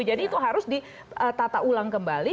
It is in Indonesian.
jadi itu harus ditata ulang kembali